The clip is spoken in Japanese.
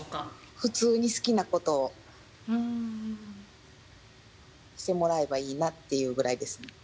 普通に好きなことをしてもらえればいいなっていうぐらいですね。